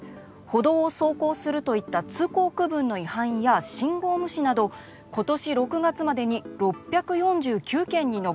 歩道を走行するといった通行区分の違反や信号無視など今年６月までに６４９件に上りました。